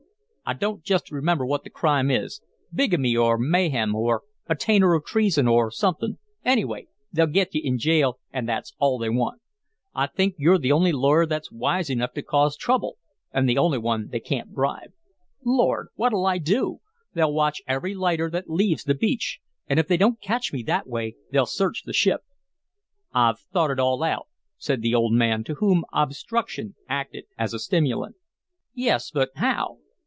"I don't just remember what the crime is bigamy, or mayhem, or attainder of treason, or something anyway, they'll get you in jail and that's all they want. They think you're the only lawyer that's wise enough to cause trouble and the only one they can't bribe." "Lord! What 'll I do? They'll watch every lighter that leaves the beach, and if they don't catch me that way, they'll search the ship." "I've thought it all out," said the old man, to whom obstruction acted as a stimulant. "Yes but how?"